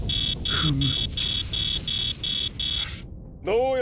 フム！